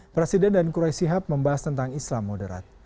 presiden dan quraisyihab membahas tentang islam moderat